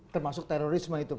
termasuk terorisme itu